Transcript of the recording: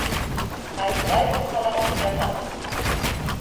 Ҡайһылай булһа ла үҙ атаң...